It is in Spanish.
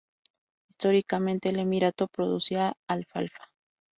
Históricamente, el emirato producía alfalfa.